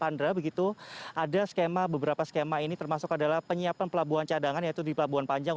andra begitu ada beberapa skema ini termasuk adalah penyiapan pelabuhan cadangan yaitu di pelabuhan panjang